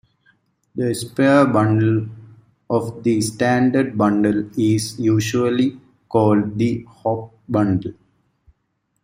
The sphere bundle of the standard bundle is usually called the Hopf bundle.